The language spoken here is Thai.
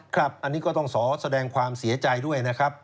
ครับอันนี้ก็ต้องขอแสดงความเสียใจด้วยนะครับ